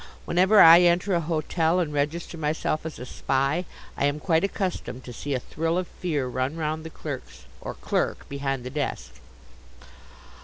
Whenever I enter a hotel and register myself as a Spy I am quite accustomed to see a thrill of fear run round the clerks, or clerk, behind the desk.